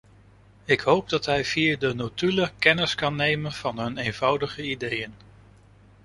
Ik hoop dat hij via de notulen kennis kan nemen van hun eenvoudige ideeën.